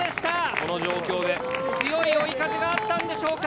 ・この状況で・強い追い風があったんでしょうか。